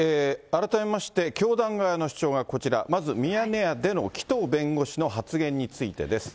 改めまして、教団側の主張がこちら、まずミヤネ屋での紀藤弁護士の発言についてです。